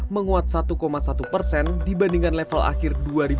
menguat satu satu persen dibandingkan level akhir dua ribu dua puluh